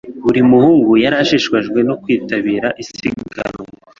Buri muhungu yari ashishikajwe no kwitabira isiganwa.